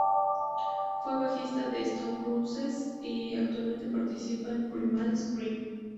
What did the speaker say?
Fue bajista de Stone Roses y actualmente participa en Primal Scream.